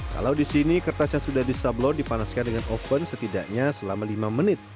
kalau di sini kertas yang sudah disablon dipanaskan dengan oven setidaknya selama lima menit